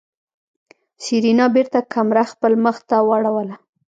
سېرېنا بېرته کمره خپل مخ ته واړوله.